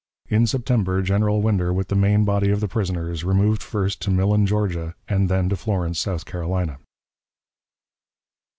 In September General Winder, with the main body of the prisoners, removed first to Millen, Georgia, and then to Florence, South Carolina.